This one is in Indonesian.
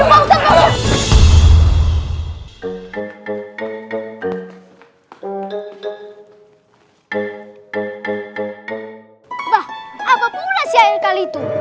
wah apa pula si air kali itu